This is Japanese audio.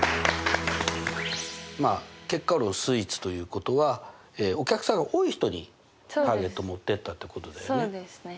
まあ結果スイーツということはお客さんが多い人にターゲットを持ってったってことだよね？